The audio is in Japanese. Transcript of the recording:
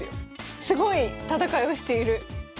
すごい戦いをしている！